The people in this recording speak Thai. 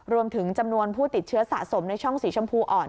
รวมถึงจำนวนผู้ติดเชื้อสะสมในช่องสีชมพูอ่อน